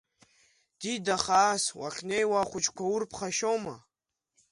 Дида хаас, уахьнеиуа ахәыҷқәа урԥхашьома.